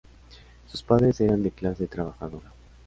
Sus padres eran de clase trabajadora.